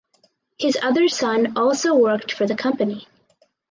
His other son also worked for the company.